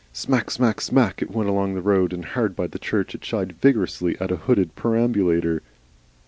Smack, smack, smack, smack it went along the road, and hard by the church it shied vigorously at a hooded perambulator.